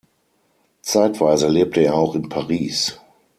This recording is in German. Zeitweise lebte er auch in Paris.